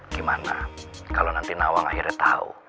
gimana kalau nanti nawang akhirnya tahu